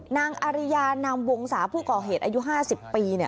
นางอาริยานามวงศาผู้ก่อเหตุอายุ๕๐ปี